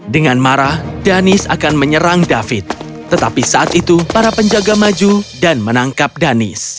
dengan marah danis akan menyerang david tetapi saat itu para penjaga maju dan menangkap danis